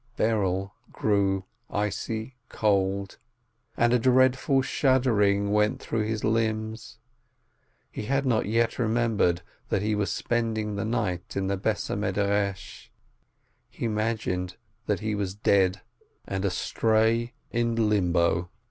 Berel grew icy cold, and a dreadful shuddering went through his limbs. He had not yet remembered that he was spending the night in the house of study. He imagined that he was dead, and astray in limbo.